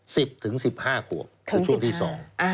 สิบถึงสิบห้าขวบคือช่วงที่สองอ่า